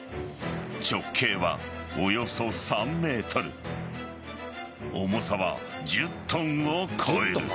直径はおよそ３ｍ重さは１０ｔを超える。